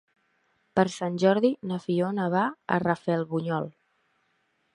Per Sant Jordi na Fiona va a Rafelbunyol.